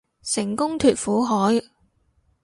成功脫苦海